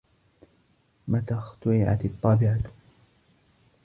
متى اخترعت الطباعة؟